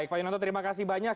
pak yunanto terima kasih banyak